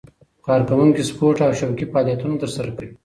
کارکوونکي سپورت او شوقي فعالیتونه ترسره کوي.